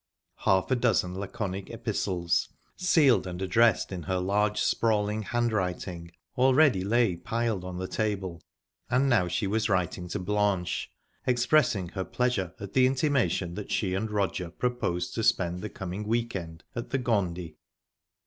Half a dozen laconic epistles, sealed and addressed in her large, sprawling handwriting, already lay piled on the table, and now she was writing to Blanche, expressing her pleasure at the intimation that she and Roger proposed to spend the coming week end at the Gondy.